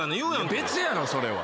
別やろそれは。